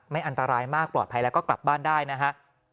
อันตรายมากปลอดภัยแล้วก็กลับบ้านได้นะฮะ